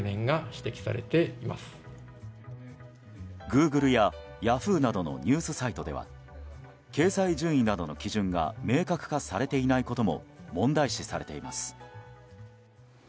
グーグルやヤフーなどのニュースサイトでは掲載順位などの基準が明確化されていないことも問題視されています。